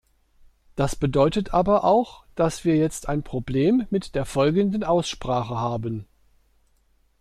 Das bedeutet aber auch, dass wir jetzt ein Problem mit der folgenden Aussprache haben.